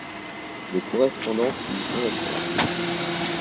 Des correspondances y sont assurées.